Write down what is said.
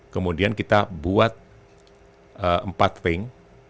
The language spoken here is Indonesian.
kemudian kita buat empat frank